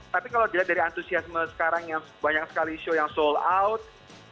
tapi kalau dilihat dari antusiasme sekarang yang banyak sekali show yang sold out